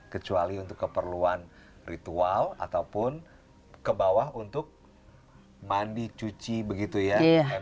kecuali untuk keperluan ritual ataupun ke bawah untuk mandi cuci begitu ya